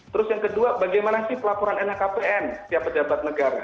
terus yang kedua bagaimana sih pelaporan lhkpn tiap pejabat negara